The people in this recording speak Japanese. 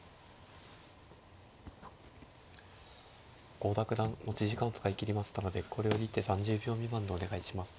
郷田九段持ち時間を使い切りましたのでこれより一手３０秒未満でお願いします。